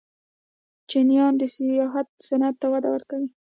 چینایان د سیاحت صنعت ته وده ورکوي.